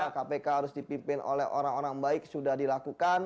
kpk harus dipimpin oleh orang orang baik sudah dilakukan